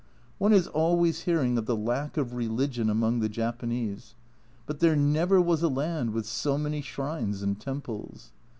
One is always hearing of the lack of religion among the Japanese, but there never was a land with so many shrines and temples.